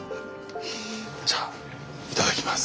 じゃいただきます。